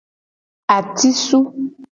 Atisu.